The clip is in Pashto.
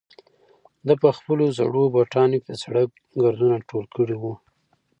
ده په خپلو زړو بوټانو کې د سړک ګردونه ټول کړي وو.